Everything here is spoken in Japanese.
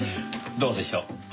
どうでしょう？